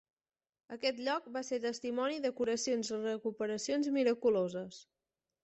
Aquest lloc va ser testimoni de curacions i recuperacions miraculoses.